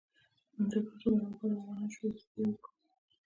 منظور پښتون لر او بر افغانان شعوري يو کړل.